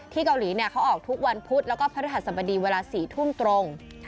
เกาหลีเขาออกทุกวันพุธแล้วก็พระฤหัสบดีเวลา๔ทุ่มตรง